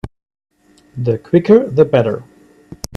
The quicker the better.